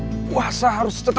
protowsir karena benar